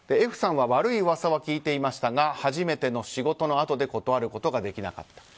Ｆさんは悪い噂は聞いていましたが初めての仕事のあとで断ることができなかった。